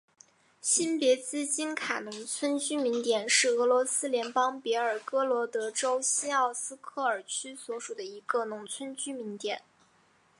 新别兹金卡农村居民点是俄罗斯联邦别尔哥罗德州新奥斯科尔区所属的一个农村居民点。